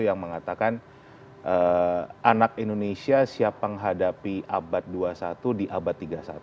yang mengatakan anak indonesia siap menghadapi abad dua puluh satu di abad tiga puluh satu